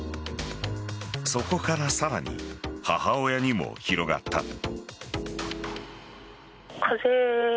そこからさらに母親にも広がった。